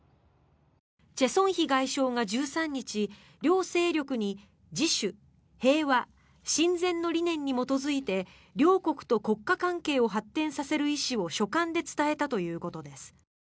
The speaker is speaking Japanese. チェ・ソンヒ外相が１３日両勢力に自主、平和、親善の理念に基づいて両国と国家関係を発展させる意思を書簡で伝えたということです。